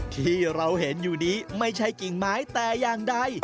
ที่เราเห็นอยู่นี้ไม่ใช่กิ่งไม้แต่อย่างใด